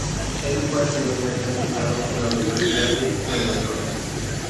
Él fue anteriormente aceptado en la Universidad de Nueva York.